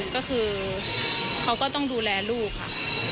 ก็คือเขาก็ต้องดูแลลูกค่ะ